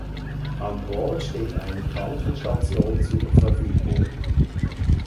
An Bord steht eine Krankenstation zur Verfügung.